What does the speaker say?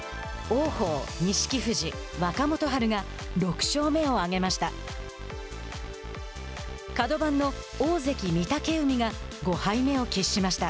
王鵬、錦富士若元春が６勝目を挙げました。